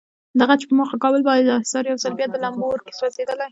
د غچ په موخه کابل بالاحصار یو ځل بیا د اور لمبو کې سوځېدلی.